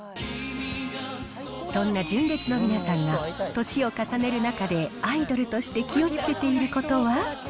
そんな純烈の皆さんが、年を重ねる中でアイドルとして気をつけていることは。